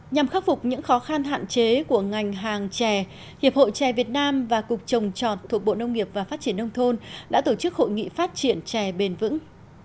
nhằm khắc phục những khó khăn hạn chế của ngành hàng chè hiệp hội trè việt nam và cục trồng trọt thuộc bộ nông nghiệp và phát triển nông thôn đã tổ chức hội nghị phát triển chè bền vững